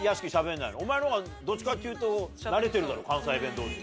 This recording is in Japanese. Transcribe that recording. お前の方がどっちかっていうと慣れてるだろ関西弁同士。